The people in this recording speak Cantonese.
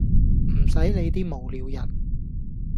唔洗理啲無聊人